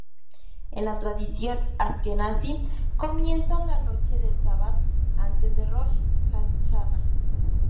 En la tradición asquenazí, comienzan la noche del Sabbat antes de Rosh Hashaná.